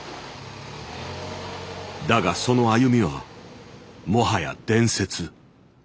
だがその歩みはもはや伝説。